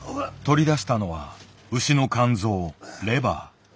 取り出したのは牛の肝臓レバー。